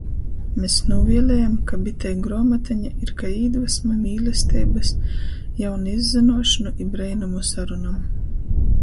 Mes nūvielejam, kab itei gruomateņa ir kai īdvasma mīlesteibys, jaunu izzynuošonu i breinumu sarunom.